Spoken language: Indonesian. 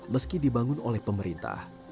meski dibangun oleh pemerintah